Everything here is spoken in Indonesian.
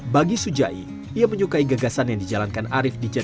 bagi sujai ia menyukai gagasan yang dijalankan arief di jakarta